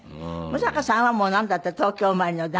六平さんはもうなんだって東京生まれの団地。